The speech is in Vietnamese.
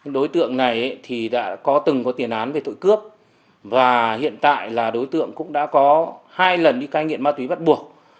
đối tượng này thì đã có từng có tiền án về tội cướp và hiện tại là đối tượng cũng đã có hai lần đi cai nghiện ma túy bắt buộc